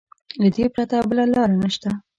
له دې پرته بله لاره نشته.